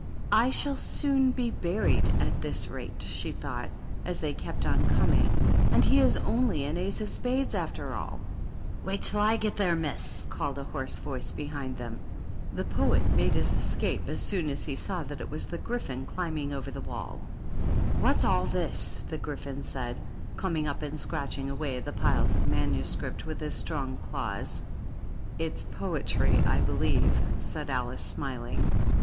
" I shall soon be buried at this rate," she thought, as they kept on coming. "And he is only an Ace of Spades, after all I" " Wait till / get there, miss," called a hoarse voice behind them. The Poet made his escape 182 THE BISHOPS. as soon as he saw that it was the Gryphon climb ing over the wall. "Whafs all this?^' the Gryphon said, coming up, and scratching away at the piles of manuscript with his strong claws. " It's poetry, I believe,*' said Alice, smiling.